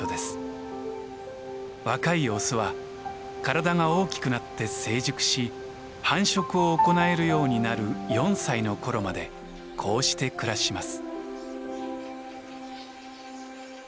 若いオスは体が大きくなって成熟し繁殖を行えるようになる４歳の頃までこうして暮らします。